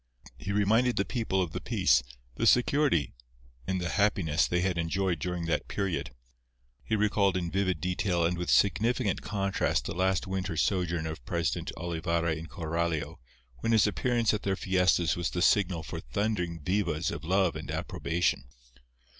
He reminded the people of the peace, the security and the happiness they had enjoyed during that period. He recalled in vivid detail and with significant contrast the last winter sojourn of President Olivarra in Coralio, when his appearance at their fiestas was the signal for thundering vivas of love and approbation.